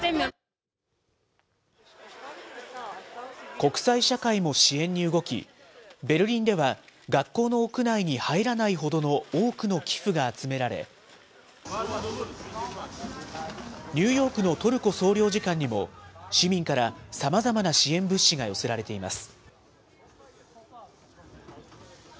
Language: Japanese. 国際社会も支援に動き、ベルリンでは学校の屋内に入らないほどの多くの寄付が集められ、ニューヨークのトルコ総領事館にも、市民からさまざまな支援物資が寄せられています。